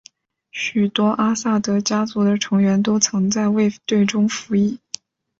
许多阿萨德家族的成员都曾在卫队中服役。